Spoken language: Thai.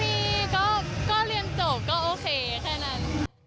มีก็เรียนจบก็โอเคแค่นั้น